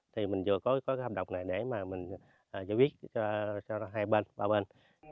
thì mình vừa có hợp đồng này để mà mình giới thiết cho hai bên ba bên